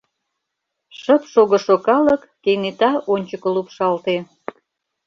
Шып шогышо калык кенета ончыко лупшалте.